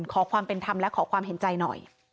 ขอความเป็นธรรมและขอความเห็นใจหน่อย